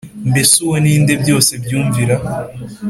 mbese uwo ninde byose byumvira